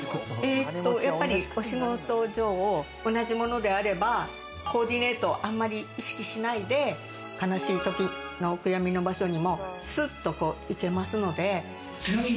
お仕事上、同じものであればコーディネートをあんまり意識しないで悲しいときのお悔みの場所にもすっと行けますので。